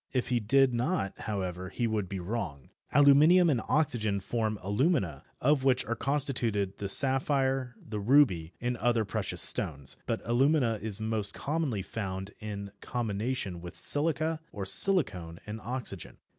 If he did not, however, he would be wrong. Aluminium and oxygen form alumina, of which are constituted the sapphire, the ruby and other precious stones, but alumina is most commonly found in combination with silica, or silicon and oxygen.